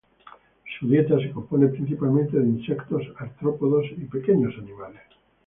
Su dieta se compone principalmente de insectos, artrópodos y pequeños animales.